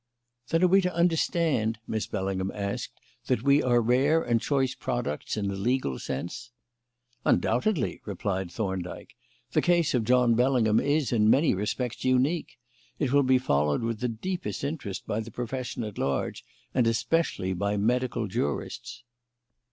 "Then are we to understand," Miss Bellingham asked, "that we are rare and choice products, in a legal sense?" "Undoubtedly," replied Thorndyke. "The case of John Bellingham is, in many respects, unique. It will be followed with the deepest interest by the profession at large, and especially by medical jurists."